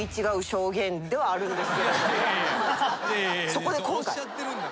そこで今回。